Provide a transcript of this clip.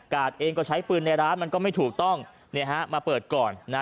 เองก็ใช้ปืนในร้านมันก็ไม่ถูกต้องมาเปิดก่อนนะ